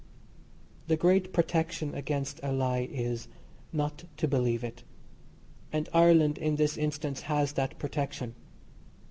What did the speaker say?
The great protection against a lie is not to believe it; and Ireland, in this instance, has that protection.